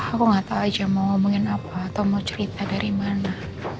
aku nggak tahu aja mau ngomongin apa atau mau cerita dari mana